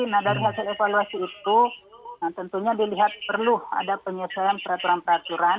nah dari hasil evaluasi itu tentunya dilihat perlu ada penyelesaian peraturan peraturan